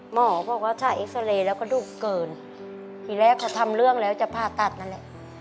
หมอบอกว่าถ้าเอ็กซาเรย์แล้วก็ดุเกินทีแรกพอทำเรื่องแล้วจะผ่าตัดนั่นแหละ